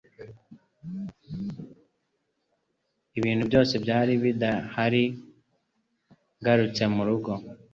Ibintu byose byari bidahari ngarutse murugo.